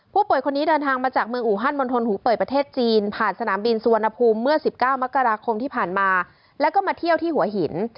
คนนี้เดินทางมาจากเมืองอูฮันมณฑลหูเป่ยประเทศจีนผ่านสนามบินสุวรรณภูมิเมื่อ๑๙มกราคมที่ผ่านมาแล้วก็มาเที่ยวที่หัวหิน